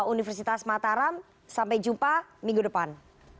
universitas mataram sampai jumpa minggu depan